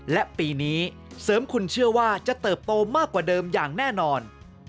และปีนี้เสริมคุณเชื่อว่าจะเติบโตมากกว่าเดิมอย่างแน่นอน